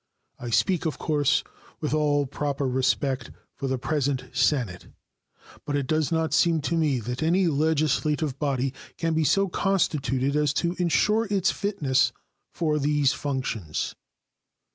I speak, of course, with all proper respect for the present Senate, but it does not seem to me that any legislative body can be so constituted as to insure its fitness for these functions.